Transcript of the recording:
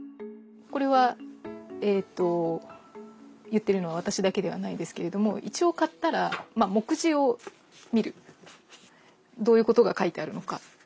これは言ってるのは私だけではないですけれども一応買ったらどういうことが書いてあるのか。